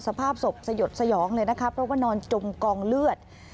สภาพศพสยดสยองเลยนะคะเพราะว่านอนจมกองเลือด